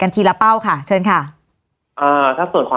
วันนี้แม่ช่วยเงินมากกว่า